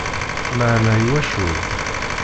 Meεna iwacu?